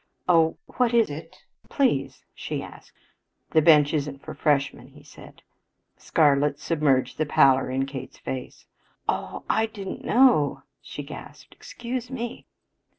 "Oh, what is it, please?" she asked. "That bench isn't for freshmen," he said briefly. Scarlet submerged the pallor in Kate's face. "Oh, I didn't know," she gasped. "Excuse me."